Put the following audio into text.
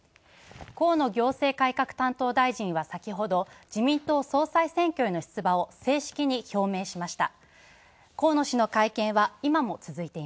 河野行政改革担当大臣は、さきほど自民党総裁選挙への出馬を正式に表明しました。